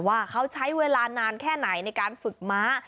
ว่าเขาใช้เวลานานแค่ไหนในการฝึกม้า